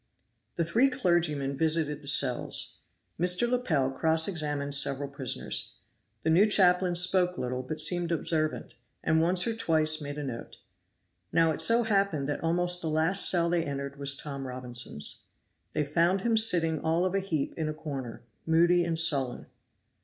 The three clergymen visited the cells. Mr. Lepel cross examined several prisoners. The new chaplain spoke little, but seemed observant, and once or twice made a note. Now it so happened that almost the last cell they entered was Tom Robinson's. They found him sitting all of a heap in a corner, moody and sullen.